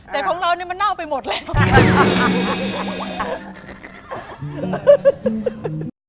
แต่ของเรานี่มันเน่าไปหมดแล้ว